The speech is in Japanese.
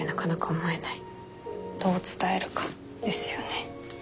どう伝えるかですよね。